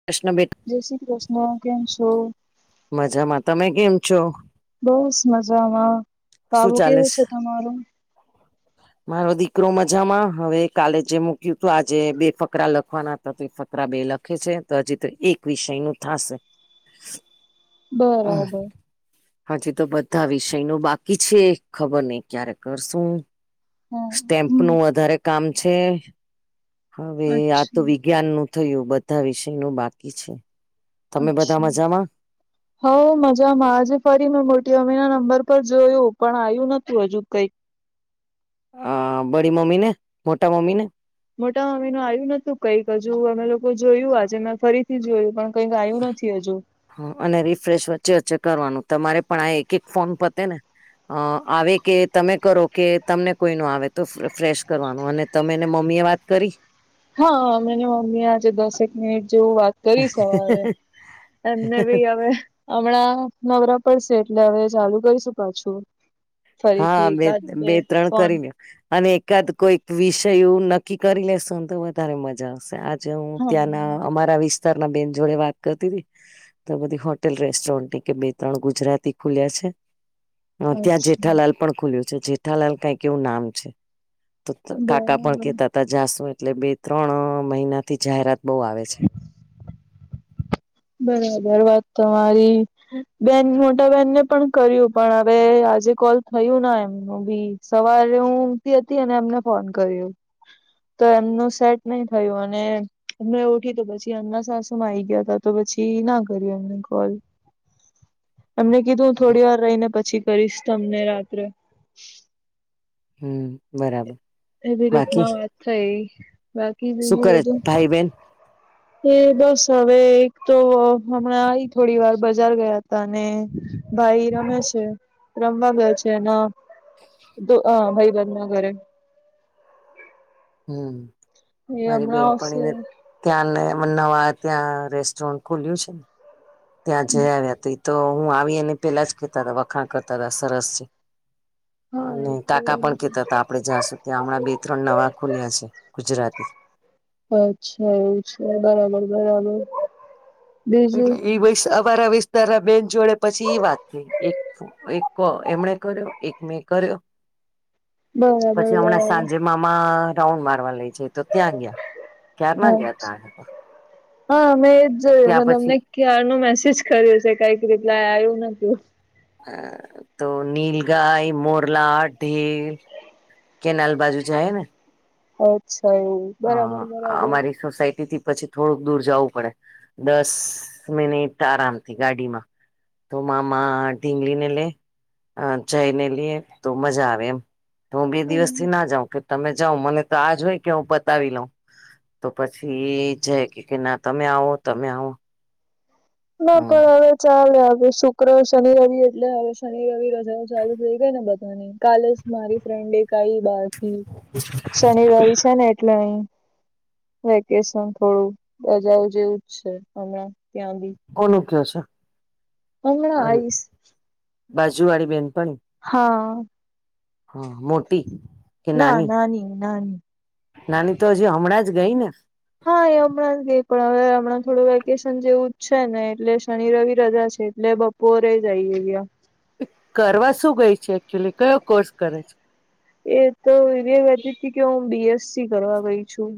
[unintelligible] જય શ્રી કૃષ્ણ. કેમ છો? મજામાં. તમે કેમ છો? બહસ મજામાં. શું બાબુ ચાલે કેવું છે તમારું? મારો દીકરો મજામાં હવે કાલે જે મૂક્યું હતું આજે બે ફકરા લખવાના હતા. ફકરા બે લખે છે તો હજી તો એક વિષય નું થાશે. બરાબર હાજી તો બધા વિષય નું બાકી છે ખબર નહ ક્યારે કરશું. હા સ્ટેમ્પ હમ નું વધારે કામ છે હવે આ તો અચ્છા વિજ્ઞાન નું થયું બધા વિષય નું બાકી છે. તમે બધા મજામાં? [inaudible] હો મજામાં આજે ફરી મેં મોટી મમ્મી ના નંબર પર જોયું પણ આવ્યું નતું હજુ કઈક. હા, બડી મમી ને મોટા મમી ને. મોટા મમી નું આવ્યું નતું કઈક હજુ અમે લોકો જોયું આજે મે ફરીથી જોયું પણ. કઈક આયું નથી હજુ. હ અને રિફ્રેશ વચ્ચે વચ્ચે કરવાનું તમારે પણ આ એક એક ફોન પતે ને અ આવે કે તમે કરો કે તમને કોઈ નો આવે તો ફ્રેશ કરવાનું અને તમે ને મમ્મી એ વાત કરી? હા મેને મમ્મી આજે દસેક મિનિટ જેવું વાત કરી સવારે એમને ભી હવે હમણાં નવરા પડસે એટલે હવે ચાલુ કરીશું પાછું. ફરીથી હા બે એકાદ બે ત્રણ ફોન કરી લ્યો. અને એકાદ કોઈક વિષય એવું નક્કી કરી લેશોને તો વધારે મજા આવશે. જે હું હા ત્યાંના અમારા વિસ્તાર ના બેન જોડે વાત કરતી હતી. તો બધી હોટેલ રેસ્ટોરન્ટ કે બે ત્રણ ગુજરાતી ખુલ્યા છે. ત્યાં અચ્છા જેઠાલાલ પણ ખુલ્યું છે જેઠાલાલ કઈ એવું નામ છે. તો કાકા પણ બરાબર કેતા ત જાસુ એટલે બે ત્રણ મહિના થી જાહેરાત બહુ આવે છે. બરાબર, વાત તમારી બેન મોટા બેહેનને પણ કર્યું પણ હવે આજે કોલ થયું ના એમનું બી. સવારે હું ઉગતી હતી અને એમને ફોન કર્યો. તો એમનું સેટ નહી થયું અને અમના ઉઠી તો પછી એમના સાસુ માં આવી ગ્યા તા તો પછી ના કર્યું એમને કોલ એમને કીધું થોડી વાર રહીને પછી. કરીશ તમને રાત્રે. હમ બરાબર. એવી બાકી રીતના વાત થઈ બાકી શું બીજું કરે બધું? ભાઈ બેન એ બસ હવે એક તો હમણાં ઈ થોડી વાર બજાર ગયા હતા ને ભાઈ રમે છે રમવા ગયો છે એના તો હ ભાઈ ભંધ ના ઘરે. હમ એ મારી હમણાં આવશે બેનપણીને ત્યાં ને નવા ત્યાં રેસ્ટોરન્ટ ખુલ્યું છે ને. ત્યાં જયા આવ્યા હતા એ તો હું આવીને પેલા જ કેતા હતા વખાણ કરતા હતા સરસ છે. હા અને એ તો કાકા પણ કેતા હતા આપડે જ્યાં સુ ત્યાં હમણાં બે ત્રણ નવા ખુલ્યા છે ગુજરાતી. અચ્છા એવુ છે બરાબર બરાબર. બીજું એટલે ઈ અમારા વિસ્તાર ના બેન જોડે પછી ઈ વાત થઈ એક એક કો એમણે કર્યો એક મેં કર્યો. બરાબર પછી હમણાં બરાબર સાંજે મામા રાઉન્ડ મારવા લઈ જાય તો ત્યાં ગયા. ક્યાર ના હા ગ્યાતા તો આજે તો. હા મેં એજ જોયું મે પછી તમને ક્યાર નો મેસેજ કર્યો છે કઈક રિપ્લાય આવ્યું નથી. હમ તો નીલગાય, મોરલા, ઢેલ કેનાલ બાજુ જાયે ને. અચ્છા એવુ બરાબર હા બરાબર અમારી સોસાયટી થી પછી થોડુંક દૂર જાવું પડે. દસ મિનિટ આરામથી ગાડીમાં. તો મામા ઢીંગલી ને લે અ જઈને લે તો મજા આવે એમ હું બે દિવસ હમ થી ના જાઉં કે તમે જાઉ મને તો આજ હોય કે હ પ બતાવી લઉ તો પછી જય કે ના તમે આવો તમે આવો ના હમ પણ હવે ચાલે આવે શું શુક્ર, શનિ, રવિ એટલે હવે શનિ રવિ રજાઓ ચાલુ થઈ ગાય ને બધાની કાલે જ મારી ફ્રેન્ડ એક આઈ બારથી શનિ રવિ છે ને એટલે અહી વેકેશન થોડું રજાઓ જેવું જ છે હમણાં ત્યાં બી કોનું કે છે? હમણા અરે આઈસ. બાજુ વાળી બેનપણી. હા. હા મોટી. ના નાની નાની. નાની તો હજી હમણાં જ ગઈ ને? હા એ હમણાં જ ગઈ પણ હવે હમણાં થોડું વેકેશન જેવું છે ને એટલે શનિ રવિ રજા છે એટલે પોરે જ આઇ ગ્યા કરવા શું ગઈ છે? એકચુલી કયો કોર્સ કરે છે? એ તો એવી વતી હતી કે હું બીએસસી કરવા ગઈ છું.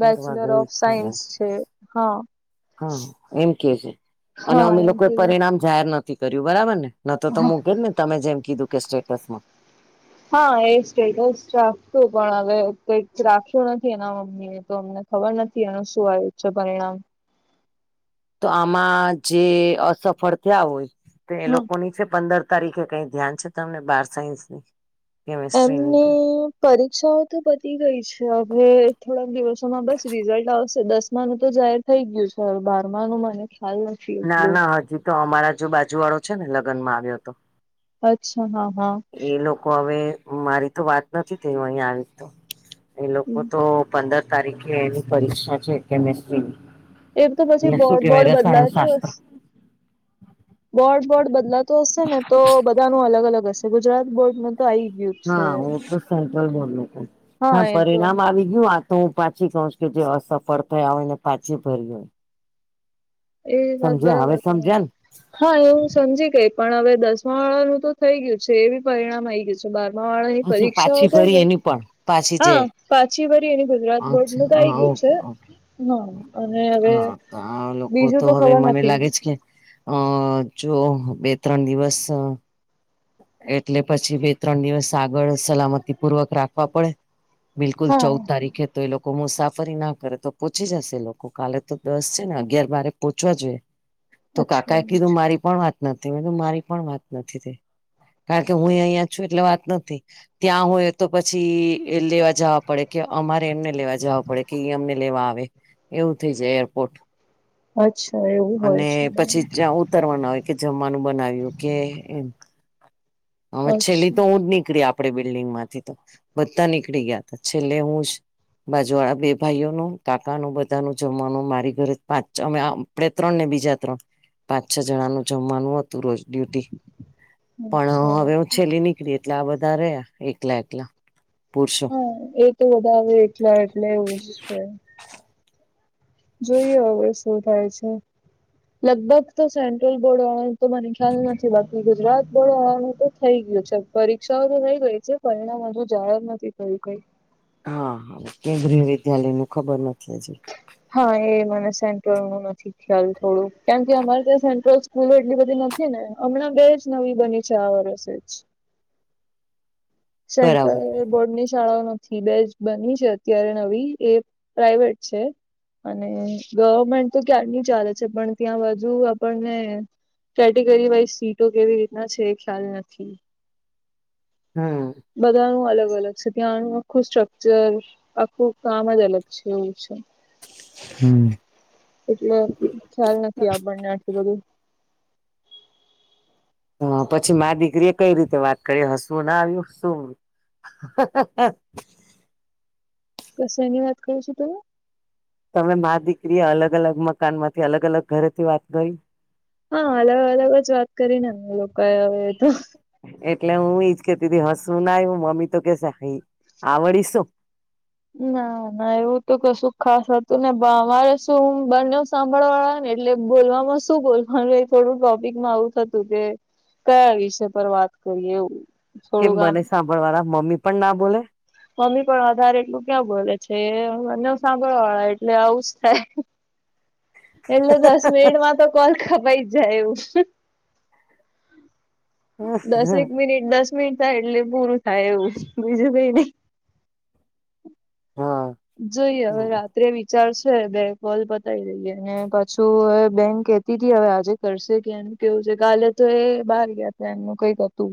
કરવા ગઈ ઓફ સાયન્સ છે હા. હા એમ કે છે અને હા અમે એમ લોકો કીધું પરિણામ જાહેર નથી કર્યું બરાબર ને, ન તો તો મૂકે ને તમે જેમ કીધું કે સ્ટેટસમાં. હા એ સ્ટેટસ રાખશું પણ હવે કઈક રાખ્યુ નથી એના મમ્મી તો અમને ખબર નથી એનું શું આયુ છે પરિણામ. તો આમાં જે અસફળ થયા હોય તો એ હા લોકોની છે પંદર તારીખે કઈ ધ્યાન છે તમને બાર સાયન્સની. કેમેસ્ટ્રીની એમની. પરીક્ષાઓ તો પતી ગઈ છે હવે થોડાક દિવસોમાં બસ રિઝલ્ટ આવશે દસમા નુ તો જાહેર થઈ ગયું છે હવે બારમા નુ મને ખ્યાલ નથી ના એટલું ના હજી તો અમારા જો બાજુ વાળો છે ને લગ્ન માં આવ્યો તો અચ્છા હા હા એ લોકો હવે મારી તો વાત નથી થ અહીં આવી તો એ લોકો તો પંદર તારીખે એની પરીક્ષા છે કેમિસ્ટ્રીની એ તો પછી એ સુ બોર્ડ બોર્ડ કેવાય રસાયણ બદલાતું શાસ્ત્ર હશે બોર્ડ બોર્ડ બદલાતું હશે ને તો બધાનું અગ અલગ હશે ગુજરાત બોર્ડ ન તો આ આવી ગયું છે હા ઓ તો સેન્ટ્રલ બોર્ડ નુ કઉં હા એ તો પરિણામ આવી ગયું આ તો હું પાછી કઉછું કે જે અસફળ થયા હોય ને પાછી ભર્યું હોય એ વાત સમજ્યા હવે બરાબર સમજ્યા ને તમારી હા એવું સમજી ગઈ પણ હવે દસમા વાળાનું તો થઇ ગયું છે એવી પરિણામ આઈ ગયું છે બારમા વાળા ની પછી પરીક્ષાઓ પાછી થઈ ભરી ગઈ એની પણ પાછી જે હા પાછી ભરી એ ગુજરાત બોર્ડ અચ્છા નું થઈ હા ગયું છે ઓકે હ અને હવે તો લોકો બીજું તો હ ખબર મને નથી લાગે છે કે અ જો બે ત્રણ દિવસ એટલે પછી બે ત્રણ દિવસ આગળ સલામતી પૂર્વક રાખવા પડે બિલકુલ હા ચૌદ તારીખે તો એ લોકો કો મુસાફરી ના કરે તો પોહોંચી જશે લોકો કાલે તો દસ છે ને અગિયાર બરે પોહોચવા જોઈએ તો અચ્છા કાકાએ એવું છે કીધું મારી પણ વાત નથી મેધું મારી પણ વાત નથી કારણ કે હું અહંયા છું એટલે વાત નથી ત્યાં હોય તો પછી લેવા જવા પડે કે અમારે એમને લેવા જવા પડે કે ઈ અમને લેવા આવે એવું થઇ જાય એરપોર્ટ અચ્છા એવું હોય છે બરાબર ઉતરવાનું હોય કે જમવાનું બનાવ્યું કે હવે છેલ્લી અચ્છા તો હું જ નીકળી આપ આપડે બિલ્ડિંગ માંથી તો બધા નીકળી ગયા હતા છેલ્લે હું જ બાજુ વાળા બે ભાઈઓનું કાકાનું બધા ન જમવાનું મારી ઘરે પાંચ અમે આપણે ત્રણ ને બીજા ત્રણ પાંચ છ જણાનું જમવાનું હતું રોજ ડ્યુટી પણ અચ્છા હવે હું છેલ્લી નીકળી એટલે આ બધા રહ્યા એકલા એકલા પુરુષો હા એ તો વધારે આવે એટલા એટલે ઉ છે જોઈએ હવે શું થાય છે લગભગ તો સેન્ટ્રલ બોર્ડ વાળાનું તો મને ખ્યાલ નથી બાકી ગુજરાત બોર્ડ વાળાનું તો થઈ ગયું છે પરીક્ષાઓ તો થઈ ગઈ છે પરિણામ અજુ ધુંજાણ નથી થયું કઈ હા હા કેન્દ્રીય વિદ્યાલય નું ખબર નથી હજી હા એ મને સેન્ટ્રલ નું નથી ખ્યાલ થોડું કેમ કે અમારે ત્યા સેન્ટ્રલ સ્કૂલો એટલી બધી નથી ને હમણાં બેજ નવી બની છે આ વર્ષે જ બરાબર સેન્ટર બોર્ડ ની શાળાઓ નથી બેજ બની છે અત્યારે નવી એ પ્રાઇવેટ છે અને ગવર્મેન્ટ તો ક્યારની ચાલે છે પણ ત્યાં બાજુ આપણને કેટેગરી વાઈઝ સીટો કેવી રીતના છે એ ખ્યાલ નથી. હા બધાનું અલગ અલગ છે ત્યાંનું આખું સ્ટ્રક્ચર આખું કામ જ અલગ છે એવું છે હમ્મ એટલે ખ્યાલ નથી આપણને આટલું બધું હ પછી મા દીકરી એ કઈ રીતે વાત કરી હશું ના આવ્યું શું [inaudible] કે શે ની વાત કરો છો તમે તમે મા દીકરી એ અલગ અલગ મકાન માંથી અલગ અલગ ઘરેથી વાત કરી હા અલગ અલગ જ વાત કરીને અમે લોકો અવે તો એટલે હું ઈજ કેતીતી હસવું ના આયુ મમ્મી તો કે આવડી શું ના ના એવું તું કશું ખાસ હતું ને મારે શું હું બન્યું સાંભળવા વાળા ને એટલે બોલવામાં શું બોલવાનું થોડું ટોપિકમાં આવું થતું કે કયા વિષય પર વાત કરીએ એવું કેમ થોડુંક આમ બને સાંભળવાળ મમ્મી પણ ના બોલે મમ્મી પણ વધારે એટલું ક્યાં બોલે છે બન્ને સાંભળવા વાળા એટલે આવું જ થાય એટલે દસ મિનિટમાં તો કોલ કપાઈ જાય એવું છે. દસેક મિનિટ દસ મિનિટ થાય એટલે પૂરું થાય એવું બીજું કઈ નહી. હા જોઈએ હવે રાત્રે ચાલશે બે કોલ પતાવી લઈએ ને પાછું હવે બેન કેતી હતી હવે આજે કરશે કે એ કેવું છે કાલે તો એ બહાર ગયા ત એમનું કઈક હતું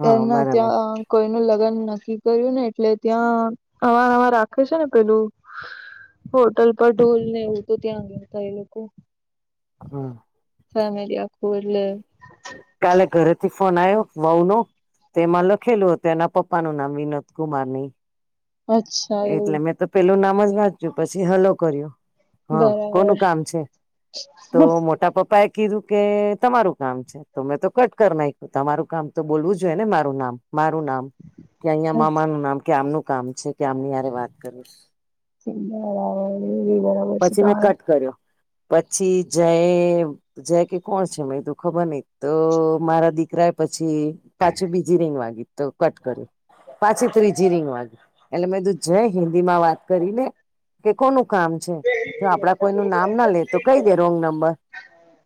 બેન ના બરાબર ત્યાં કોઈ નું લગ્ન નક્કી કર્યું ને એટલે ત્યાં અમારામાં રાખે છે ને પેલું હોટલ પર ઢોલ ને એવું તો ત્યાં ગ્યાતા એ લોકો. હમ્મ. ફેમિલી આખુ એટલે કાલે ઘરેથી ફોન આવ્યો વહું નો તેમાં લખેલું હતું એના પપ્પા નું નામ વિનોદ કુમાર ને ઈ અચ્છા એવું એટલે મેં તો પેલું નામ જ વાંચ્યું પછી હલો કર્યો હા બરાબર કોનું કામ છે તો મોટા પપ્પા એ કીધું કે તમારું કામ છે. તો મેં તો કટ કર નાખ્યું તમારું કામ તો બોલવું જોઈએ ને મારું નામ મારું નામ કે અહીં મામા નું નામ કે આમનું કામ છે કે આમની હારે વાત કરું બરાબર [unintelligible] પછી મેં તમારા કટ કર્યો પછી જયે જય કે કોણ છે મેં કીધું ખબર નઈ તો મારા દીકરાય પછી પાછી બીજી રિંગ વાગી તો કટ કર્યું. પાછી ત્રીજી રિંગ વાગી એટલે મેં કીધું જય હિન્દી માં વાત કરી લે કે કોનું કામ છે. જો આપડા કોઈ ન નામ ના લે તો કઈ દે રોંગ નંબર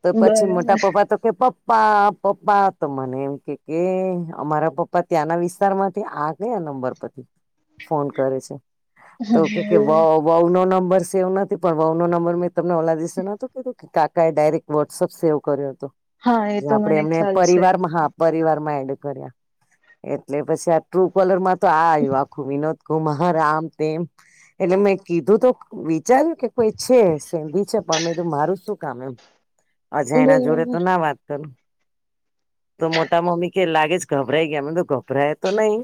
તો પછી મોટા બરાબર પપ્પા તો કે પપ્ પ્પા પપ્પા તો મને એમ કે કે અમારા પપ્પા ત્યાંના વિસ્તાર માંથી આ કયા નંબર ફોન કરે છે તો કે વ વહુ નો નંબર છે એવ નથ પણ વહુ નંબર મેં તમને ઓલા દિસે નોતોું કધું કે કાકાએ ડાયરેક્ટ વોટ્સઅપ સેવ કર્યો હતો. હા એ જે તો આપડે મને એમને ખ્યાલ છે. પરિવારમાં હા પરિવાર માં એડ કર્યા એટલે પછી આ ટ્રુ કલર માં તો આ આખું વિનોદ કુમાર રામદેવ એટલે મેં કીધું તો વિચાર કોઈ છે સેંધી છે પણ મે મારું શું કામ એમ અજાણ્યા એના જોડે બરાબર તો ના વાત કરું. તો મોટા મમ્મી કે લાગે જ ગભરાઈ ગયા મેં કીધું ગભરાય તો નહી.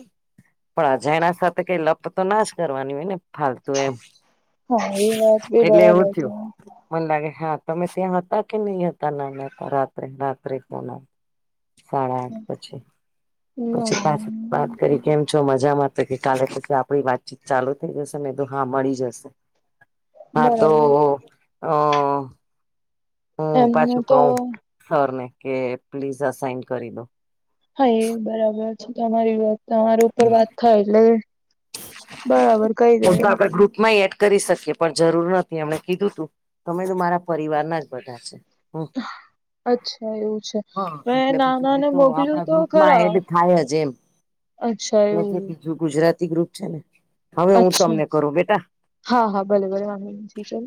પણ અજાણ્યા સાથે કઈ લપ તો ના જ કરવાની હોય ને ફાલતુ. તું એમ હા એ વાત બી એટલે એવું બરાબર થયું. મને લાગે હા તમે ત્યાં હતા કે નહી હતા નામ હતા રાત્રે રાત્રે તો ના સાડા આઠ પછી તમારી પછી પા હમ. વાત કરી કેમ છો મજામાં તો કે કાલે પછી આપડી વાતચીત ચાલુ થઈ જશે મે તો હા મળી જશે. હા તો બરાબર અ. હું એમનું પાછું કઉ તો સર ને કે પ્લીઝ આ સાાઈન કરી દો. હા એ બરાબર છે તમારી વાત તમારી ઉપર વાત થાય એટલે બરાબર કઈ એમ તો દેવાય. આપણે ગ્રુપમાં એ એડ કરી શકીએ પણ જરૂર નથી એમણે કીધું તું તમે તો મારા પરિવાર ના જ બધા છે. હમ્મ. અચ્છા એવું છે મે પછી નાના હું ને તો મોકલ્યું આપણા તો ગ્રુપમાં ખરા. એડ થાય જ એમ અચ્છા અને એવું. બીજું ગુજરાતી ગ્રુપ છે ને હવે હું અચ્છા તમને કરું બેટા. હા હા ભલે ભલે.